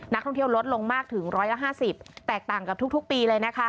นักท่องเที่ยวลดลงมากถึง๑๕๐แตกต่างกับทุกปีเลยนะคะ